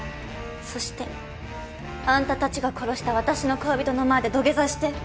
そしてあんたたちが殺した私の恋人の前で土下座して。